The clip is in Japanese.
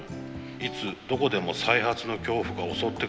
いつどこでも再発の恐怖が襲ってくる。